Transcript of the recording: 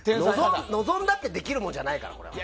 望んだってできるものじゃないから。